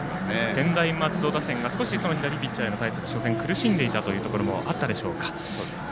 専大松戸打線が左ピッチャーへの対策、初戦苦しんでいたところもあったでしょうか。